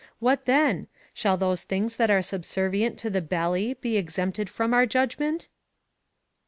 What then ? Shall those things that are subservient to the belly be ex empted from our judgment